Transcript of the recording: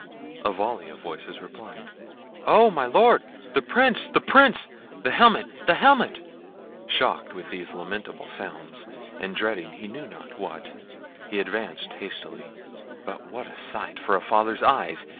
A volley of voices replied, "Oh! my Lord! the Prince! the Prince! the helmet! the helmet!" Shocked with these lamentable sounds, and dreading he knew not what, he advanced hastily,—but what a sight for a father's eyes!